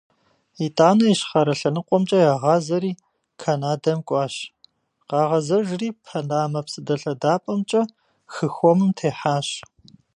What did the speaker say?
Итӏанэ Ищхъэрэ лъэныкъуэмкӏэ ягъазэри, Канадэм кӏуащ, къагъэзэжри, Панамэ псыдэлъэдапӏэмкӏэ хы Хуэмым техьащ.